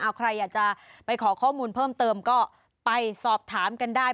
เอาใครอยากจะไปขอข้อมูลเพิ่มเติมก็ไปสอบถามกันได้